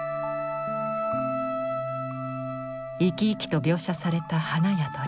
生き生きと描写された花や鳥。